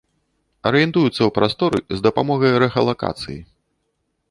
Арыентуюцца ў прасторы з дапамогай рэхалакацыі.